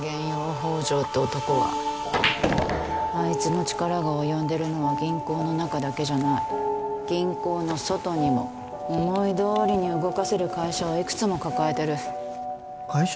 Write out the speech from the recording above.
宝条って男はあいつの力が及んでるのは銀行の中だけじゃない銀行の外にも思いどおりに動かせる会社をいくつも抱えてる会社？